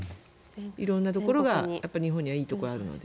色んなところが日本にはいいところがあるので。